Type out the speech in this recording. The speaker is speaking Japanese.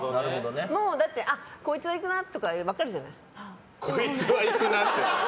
もう、こいつは行くなとか分かるじゃん。